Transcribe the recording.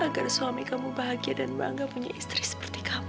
agar suami kamu bahagia dan bangga punya istri seperti kamu